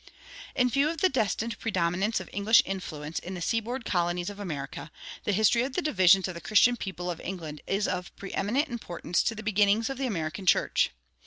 In view of the destined predominance of English influence in the seaboard colonies of America, the history of the divisions of the Christian people of England is of preëminent importance to the beginnings of the American church.